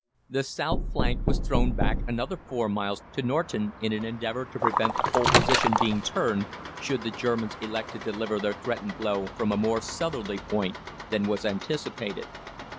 The south flank was thrown back another four miles to Norton, in an endeavour to prevent the whole position being turned, should the Germans elect to deliver their threatened blow from a more southerly point than was anticipated.